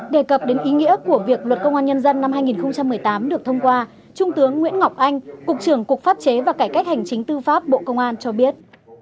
đề cập đến ý nghĩa của việc luật công an nhân dân năm hai nghìn một mươi tám được thông qua trung tướng nguyễn ngọc anh cục trưởng cục pháp chế và cải cách hành chính tư pháp bộ công an cho biết